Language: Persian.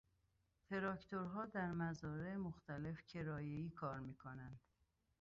تراکتورها در مزارع مختلف کرایهای کار میکنند.